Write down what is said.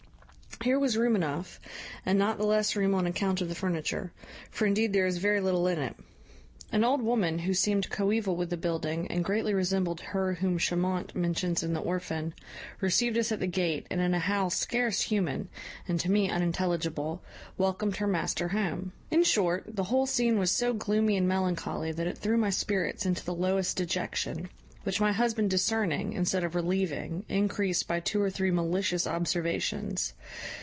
Here was room enough, and not the less room on account of the furniture; for indeed there was very little in it. An old woman, who seemed coeval with the building, and greatly resembled her whom Chamont mentions in the Orphan, received us at the gate, and in a howl scarce human, and to me unintelligible, welcomed her master home. In short, the whole scene was so gloomy and melancholy, that it threw my spirits into the lowest dejection; which my husband discerning, instead of relieving, encreased by two or three malicious observations.